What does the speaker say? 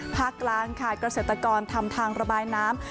ภาคกลางค่ะเกษตรกรทำทางระบายน้ำ